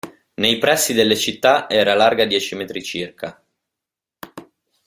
Nei pressi delle città era larga dieci metri circa.